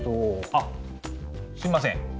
あっすいません。